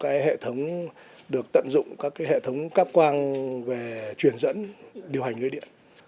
toàn bộ hệ thống được tận dụng các hệ thống cắp quang về truyền dẫn điều hành lưới điện